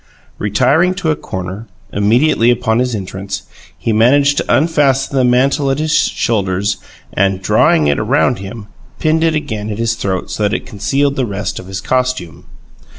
Retiring to a corner, immediately upon his entrance, he managed to unfasten the mantle at the shoulders, and, drawing it round him, pinned it again at his throat so that it concealed the rest of his costume.